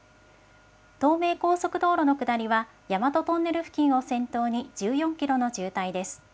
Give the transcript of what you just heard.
東名高速道路の下りは大和トンネル付近を先頭に１４キロの渋滞です。